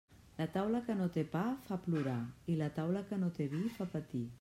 La taula que no té pa fa plorar, i la taula que no té vi fa patir.